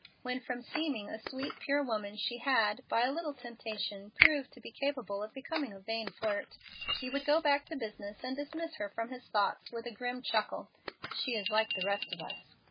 When from seeming a sweet, pure woman she had, by a little temptation, proved to be capable of becoming a vain flirt, he would go back to business and dismiss her from his thoughts with the grim chuckle, "She is like the rest of us."